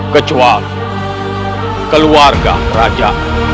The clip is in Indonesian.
kecuali keluarga raja